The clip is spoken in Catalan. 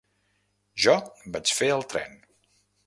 Jo vaig fer el tren.